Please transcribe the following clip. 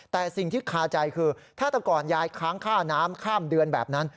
แต่สิ่งที่คาใจคือถ้าแต่ก่อนยายค้างค่าน้ำข้ามเดือนแบบนั้น